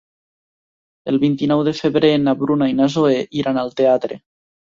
El vint-i-nou de febrer na Bruna i na Zoè iran al teatre.